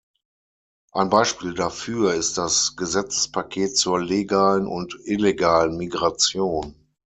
Ein Beispiel dafür ist das Gesetzespaket zur legalen und illegalen Migration.